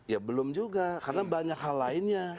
ya belum juga karena banyak hal lainnya